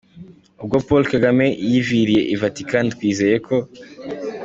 Ubwo Paul Kagame yiviriye i Vatikani twizeye ko :